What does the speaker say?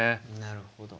なるほど。